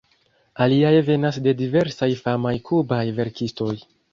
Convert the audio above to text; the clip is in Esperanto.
Aliaj venas de diversaj famaj kubaj verkistoj.